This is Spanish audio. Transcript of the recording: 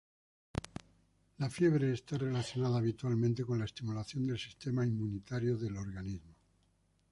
La fiebre está relacionada habitualmente con la estimulación del sistema inmunitario del organismo.